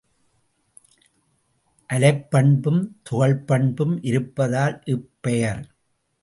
அலைப்பண்பும் துகள் பண்பும் இருப்பதால் இப்பெயர்.